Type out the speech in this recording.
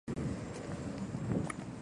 パ＝ド＝カレー県の県都はアラスである